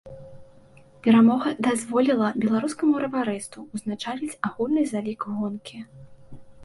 Перамога дазволіла беларускаму раварысту ўзначаліць агульны залік гонкі.